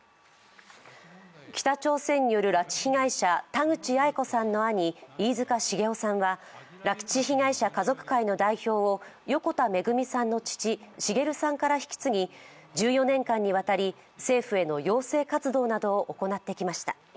北朝鮮による拉致被害者、田口八重子さんの兄、飯塚繁雄さんは拉致被害者家族会の代表を横田めぐみさんの父・滋さんから引き継ぎ、１４年間にわたり政府への要請活動などを行ってきました。